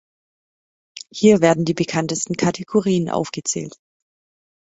Hier werden die bekanntesten Kategorien aufgezählt.